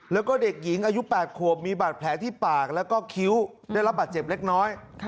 แล้วก็เด็กหญิงอายุ๘ขวบมีบาดแผลที่ปากแล้วก็คิ้วได้รับบาดเจ็บเล็กน้อย